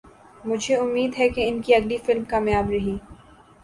مجھے امید ہے کہ ان کی اگلی فلم کامیاب رہی